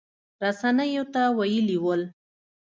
رسنیو ته ویلي ول